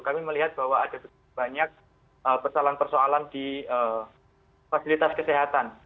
kami melihat bahwa ada banyak persoalan persoalan di fasilitas kesehatan